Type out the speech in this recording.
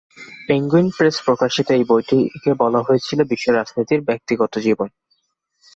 Penguin Press প্রকাশিত এই বইটিকে বলা হয়েছিল "বিশ্ব রাজনীতির ব্যক্তিগত জীবনী।"